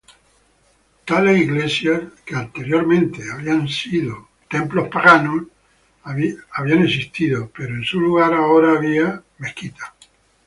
Tales iglesias habían existido pero en su lugar fueron edificadas las mezquitas.